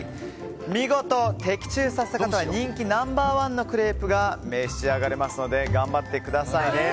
見事的中させた方は人気ナンバー１のクレープが召し上がれますので頑張ってくださいね。